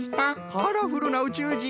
カラフルなうちゅうじん！